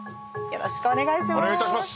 よろしくお願いします。